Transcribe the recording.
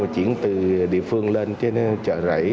chuyển từ địa phương lên trên chợ rảy